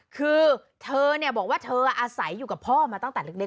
คือเธอเนี่ยบอกว่าเธออาศัยอยู่กับพ่อมาตั้งแต่เล็ก